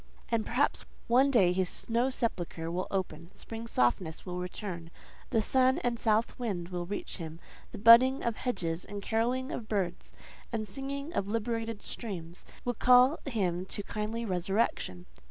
And, perhaps, one day his snow sepulchre will open, spring's softness will return, the sun and south wind will reach him; the budding of hedges, and carolling of birds, and singing of liberated streams, will call him to kindly resurrection.